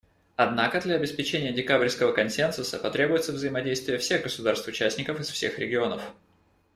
Однако для обеспечения декабрьского консенсуса потребуется взаимодействие всех государств-участников из всех регионов.